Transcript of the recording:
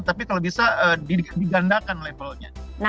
tapi kalau bisa digandakan levelnya